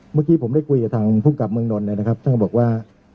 เมื่อกี้ผมได้คุยกับทางภูมิกับเมืองนนท์นะครับท่านก็บอกว่า